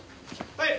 はい。